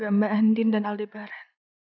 gak mba endin dan aldebaran